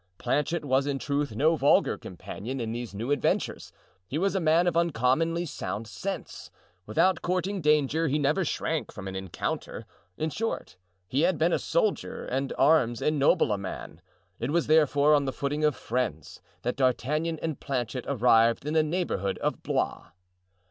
Planchet was in truth no vulgar companion in these new adventures; he was a man of uncommonly sound sense. Without courting danger he never shrank from an encounter; in short, he had been a soldier and arms ennoble a man; it was, therefore, on the footing of friends that D'Artagnan and Planchet arrived in the neighborhood of Blois.